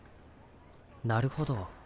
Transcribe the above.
なるほど。